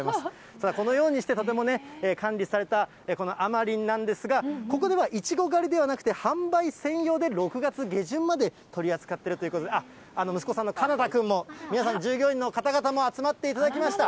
さあ、このようにしてとてもね、管理されたこのあまりんなんですが、ここでは、いちご狩りではなくて、販売専用で６月下旬まで取り扱っているということで、息子さんの君も、皆さん、従業員の方々も集まっていただきました。